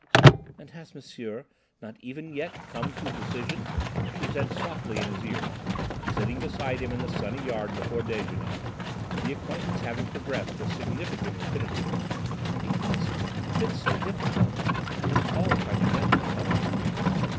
"And has M'sieur not even yet come to a decision?" she said softly in his ear, sitting beside him in the sunny yard before déjeuner, the acquaintance having progressed with significant rapidity. "Because, if it's so difficult, we must all try together to help him!"